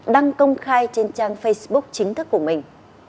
đăng công khai trên trang facebook chính thức của mình